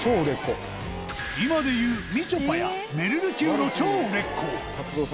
今でいうみちょぱやめるる級の超売れっ子